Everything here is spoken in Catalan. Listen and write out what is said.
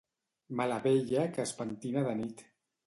Mala vella que es pentina de nit.